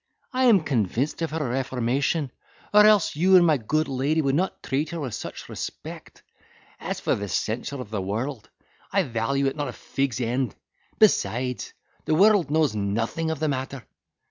I am convinced of her reformation; or else you and my good lady would not treat her with such respect. As for the censure of the world, I value it not a fig's end—besides, the world knows nothing of the matter."